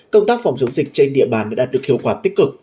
công tác phòng chống dịch trên địa bàn đã đạt được hiệu quả tích cực